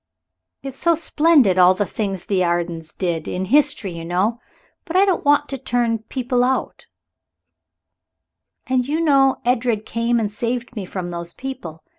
It's so splendid, all the things the Ardens did in history, you know. But I don't want to turn people out and you know Edred came and saved me from those people.